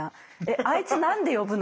「あいつ何で呼ぶの？」